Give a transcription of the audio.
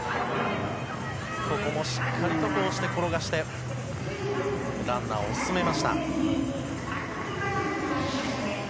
ここもしっかり転がしてランナーを進めました。